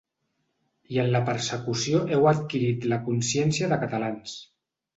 I en la persecució heu adquirit la consciència de catalans.